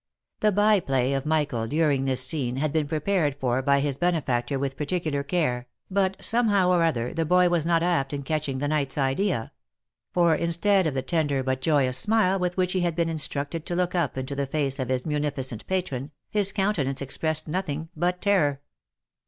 The by play of Michael during this scene had been prepared for by his benefactor with particular care, but somehow or other the boy was not apt in catching the knight's idea ; for instead of the ten der but joyous smile with which he had been instructed to look up into the face of his munificent patron, his countenance expressed nothing but terror.